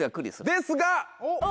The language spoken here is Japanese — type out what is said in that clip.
ですが！